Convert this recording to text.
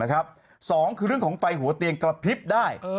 สองคือเรื่องของไฟหัวเตียงกระพริบได้